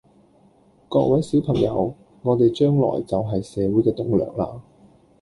各位小朋友，我哋將來就係社會嘅棟樑啦